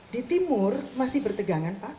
di timur masih bertegangan pak